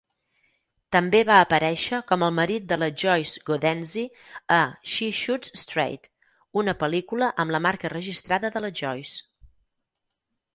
També va aparèixer com el marit de la Joyce Godenzi a "She Shoots Straight", una pel·lícula amb la marca registrada de la Joyce.